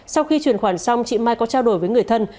sau khi chuyển khoản xong chị mai có trao đổi với người thân